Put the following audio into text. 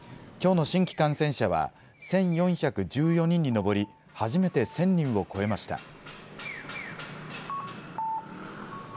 きょうの新規感染者は１４１４人に上り、初めて１０００人を超えました。